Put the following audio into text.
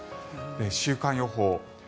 週間予報。